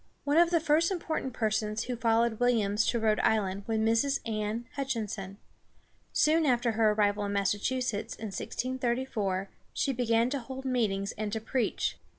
One of the first important persons who followed Williams to Rhode Island was Mrs. Anne Hutch´in son. Soon after her arrival in Massachusetts, in 1634, she began to hold meetings and to preach.